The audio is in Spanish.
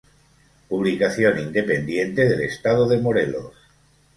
Publicación independiente del Estado de Morelos.